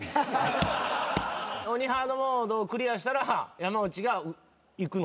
鬼ハードモードをクリアしたら山内が行くの？